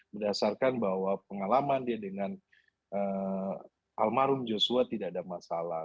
berdasarkan bahwa pengalaman dia dengan almarhum joshua tidak ada masalah